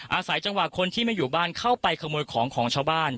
อาศัยจังหวะคนที่ไม่อยู่บ้านเข้าไปขโมยของของชาวบ้าน